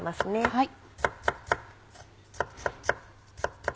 はい。